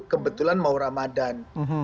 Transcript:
kebetulan mau ramadan